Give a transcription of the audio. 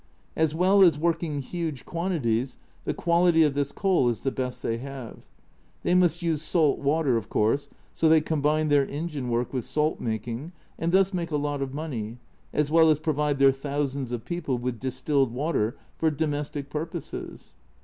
As well as working huge quantities, the quality of this coal is the best they have. They must use salt water, of course, so they combine their engine work with salt making, and thus make a lot of money, as well as provide their thousands of people with distilled water for domestic purposes.